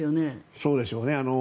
そうでしょうね。